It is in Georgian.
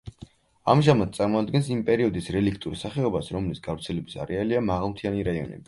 ამჟამად წარმოადგენს იმ პერიოდის რელიქტურ სახეობას, რომლის გავრცელების არეალია მაღალმთიანი რაიონები.